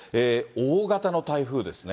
大型の台風ですね。